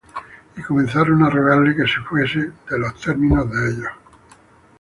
Y comenzaron á rogarle que se fuese de los términos de ellos.